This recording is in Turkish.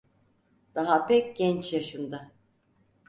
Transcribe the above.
Daha pek genç yaşında.